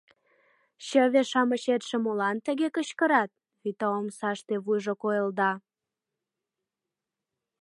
Чыве-шамычетше молан тыге кычкырат? — вӱта омсаште вуйжо койылда.